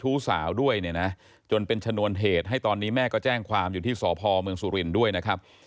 ชูสาวด้วยจนเป็นชนวนเหตุให้ตอนนี้แม่แจ้งความอยู่ที่สพตศุรินย์ด้วยนะครับ